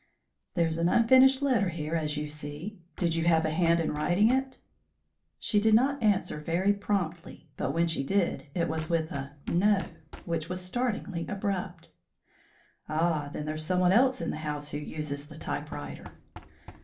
"There's an unfinished letter here, as you see. Did you have a hand in writing it?" She did not answer very promptly, but when she did, it was with a "No" which was startlingly abrupt. "Ah! then there's someone else in the house who uses the typewriter."